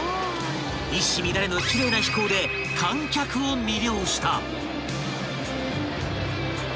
［一糸乱れぬ奇麗な飛行で観客を魅了した］